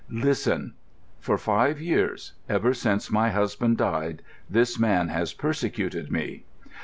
"Listen. For five years—ever since my husband died—this man has persecuted me.